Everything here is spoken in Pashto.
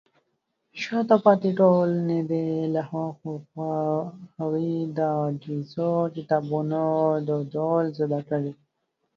شاته پاتې ټولنې دې له هغې د غږیزو کتابونو دودول زده کړي.